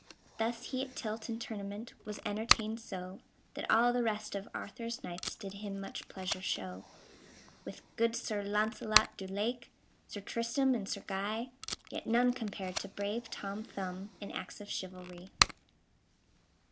Thus he at tilt and tournament Was entertained so, That all the rest of Arthur's knights Did him much pleasure show. With good Sir Launcelot du Lake, Sir Tristram and Sir Guy, Yet none compared to brave Tom Thumb In acts of chivalry.